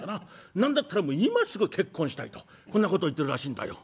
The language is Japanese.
何だったら今すぐ結婚したいとこんなこと言ってるらしいんだよ」。